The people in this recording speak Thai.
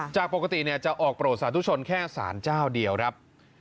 จากปกติจะออกโปรดสาธุชนแค่สารเจ้าเดียวครับ